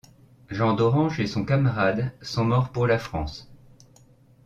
Jean Dorange et son camarade sont morts pour la France.